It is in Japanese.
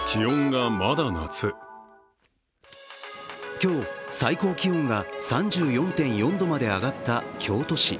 今日、最高気温が３４．４度まで上がった京都市。